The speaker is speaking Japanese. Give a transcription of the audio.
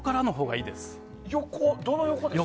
どの横ですか？